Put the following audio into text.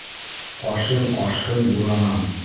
Ашың ашһын буранан!